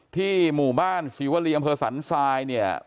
ที่หมู่บ้านศรีวรียมพฤษัณภายเนี่ย